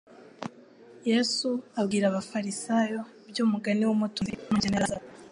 Yesu abwira abafarisayo iby'umugani w'umutunzi n'umukene Lazaro,